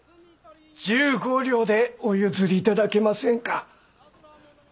１５両でお譲り頂けませんか？